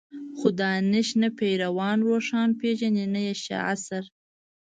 خو دانش نه پير روښان پېژني نه يې عصر.